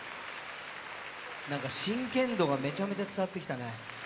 なんか真剣度がめちゃめちゃ伝わってきたね。